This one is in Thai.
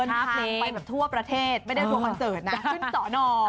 เดินทางไปแบบทั่วประเทศไม่ได้ทั่วคอนเสิร์ตนะขึ้นสอนออก